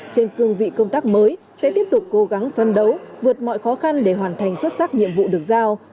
trên cương vị công tác mới sẽ tiếp tục cố gắng phân đấu vượt mọi khó khăn để hoàn thành xuất sắc nhiệm vụ được giao